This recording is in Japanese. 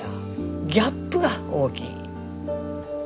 ギャップが大きい。